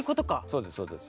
そうですそうです。